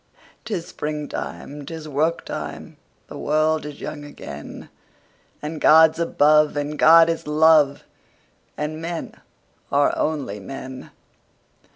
'Tis springtime! 'Tis work time! The world is young again! And God's above, and God is love, And men are only men.